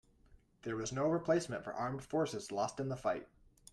There was no replacement for armed forces lost in the fight.